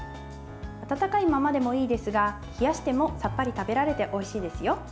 温かいままでもいいですが冷やしてもさっぱり食べられておいしいですよ。